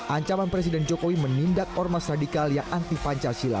ancaman presiden jokowi menindak ormas radikal yang anti pancasila